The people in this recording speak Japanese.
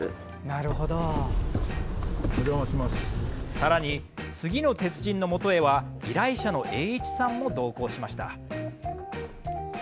さらに次の鉄人のもとへは依頼者の栄一さんも同行しました。